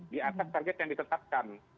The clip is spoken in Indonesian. di atas target yang ditetapkan